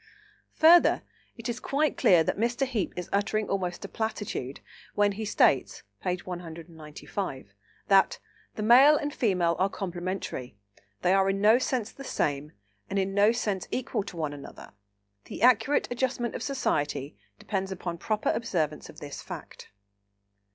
Further, it is quite clear that Mr. Heape is uttering almost a platitude, when he states (p. 195) that "The Male and Female are complementary; they are in no sense the same, and in no sense equal to one another; the accurate adjustment of society depends upon proper observance of this fact."